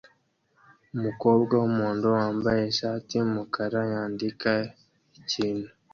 Umukobwa wumuhondo wambaye ishati yumukara yandika ikintu